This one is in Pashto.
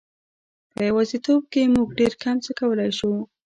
په یوازیتوب موږ ډېر کم څه کولای شو.